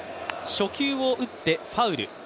初球を打ってファウル。